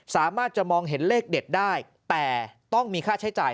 สามารถจะมองเห็นเลขเด็ดได้แต่ต้องมีค่าใช้จ่าย